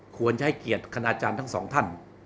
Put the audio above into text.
ควรจะให้เกียรติคณาจารย์ทั้งสองท่าน